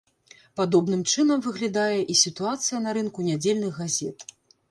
Падобным чынам выглядае і сітуацыя на рынку нядзельных газет.